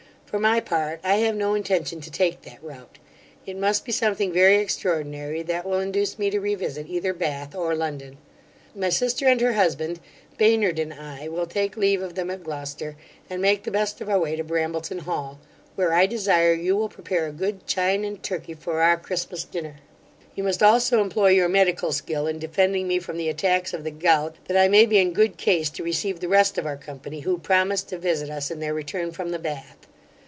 For my part, I have no intention to take that route. It must be something very extraordinary that will induce me to revisit either Bath or London. My sister and her husband, Baynard and I, will take leave of them at Gloucester, and make the best of our way to Brambleton hall, where I desire you will prepare a good chine and turkey for our Christmas dinner. You must also employ your medical skill in defending me from the attacks of the gout, that I may be in good case to receive the rest of our company, who promise to visit us in their return from the Bath.